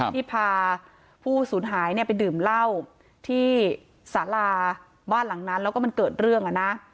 ที่พาผู้สูญหายไปดื่มเหล้าที่สาราบ้านหลังนั้นแล้วก็มันเกิดเรื่องอ่ะนะ